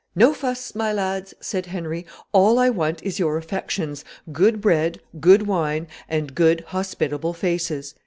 "No fuss, my lads," said Henry: "all I want is your affections, good bread, good wine, and good hospitable faces."